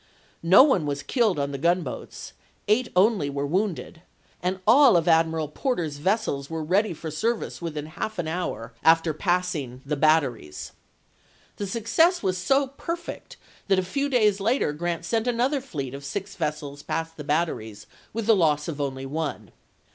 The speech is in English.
No one was killed on the gunboats, eight only were wounded, and all of Admiral Porter's vessels were ready for service within half an hour after passing THE CAMPAIGN OF THE BAYOUS 161 the batteries. The success was so perfect that a chap.vi few days later Grant sent another fleet of six vessels past the batteries with the loss of only one.